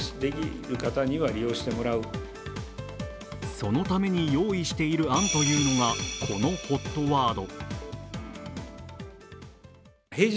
そのために用意している案というのがこのＨＯＴワード。